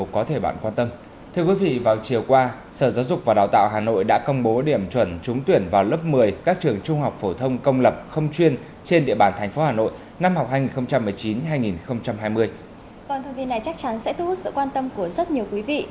còn thông tin này chắc chắn sẽ thu hút sự quan tâm của rất nhiều quý vị